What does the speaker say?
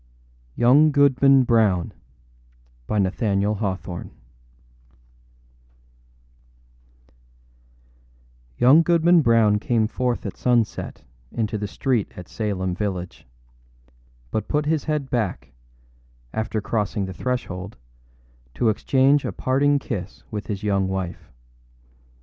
YOUNG GOODMAN BROWN Young Goodman Brown came forth at sunset into the street at Salem village; but put his head back, after crossing the threshold, to exchange a parting kiss with his young wife.